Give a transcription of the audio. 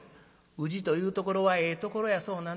「宇治というところはええところやそうなな。